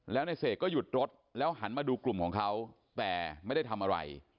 แล้วในเสกก็หยุดรถแล้วหันมาดูกลุ่มของเขาแต่ไม่ได้ทำอะไร